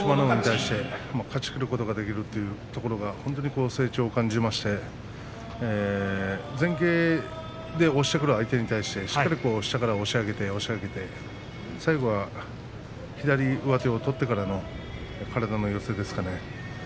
海に対して、勝ち切ることができるというのは本当に成長を感じまして前傾で押してくる相手に対して下から押し上げて押し上げて最後は左上手を取ってからの体のよさですかね。